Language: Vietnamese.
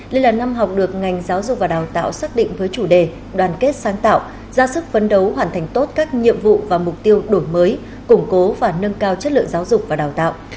đây là năm học được ngành giáo dục và đào tạo xác định với chủ đề đoàn kết sáng tạo ra sức phấn đấu hoàn thành tốt các nhiệm vụ và mục tiêu đổi mới củng cố và nâng cao chất lượng giáo dục và đào tạo